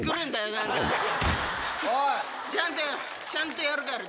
ちゃんとやるから。